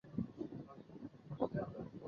斯里兰卡隔保克海峡和印度相望。